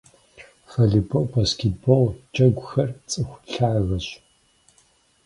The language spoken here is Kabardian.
Волейбол, баскетбол джэгухэр цӏыху лъагэщ.